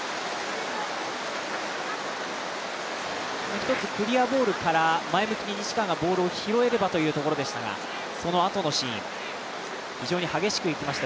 一つクリアボールから前向きに西川がボールを拾えればというところでしたが非常に激しくいきました